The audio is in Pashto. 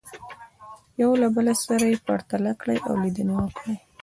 یو له بل سره یې پرتله کړئ او لیدنې ولیکئ.